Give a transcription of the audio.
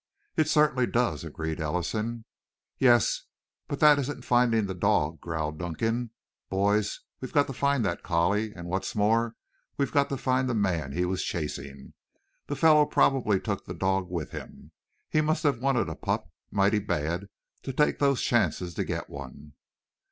"It certainly does," agreed Ellison. "Yes, but that isn't finding the dog," growled Dunkan. "Boys, we've got to find that collie, and what's more, we've got to find the man he was chasing. The fellow probably took the dog with him. He must have wanted a pup mighty bad to take those chances to get one."